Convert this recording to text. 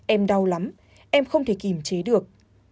em đau lắm em không thể kìm chế được